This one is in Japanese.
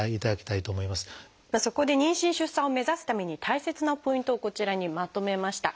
そこで妊娠・出産を目指すために大切なポイントをこちらにまとめました。